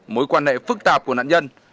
mối quan hệ phức tạp của nạn nhân